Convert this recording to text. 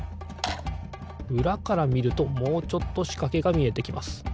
うらからみるともうちょっとしかけがみえてきます。